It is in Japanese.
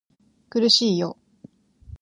苦しいよ